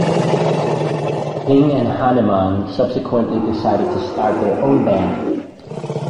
King and Hanneman subsequently decided to start their own band.